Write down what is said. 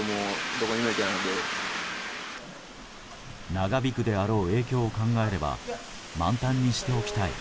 長引くであろう影響を考えれば満タンにしておきたい。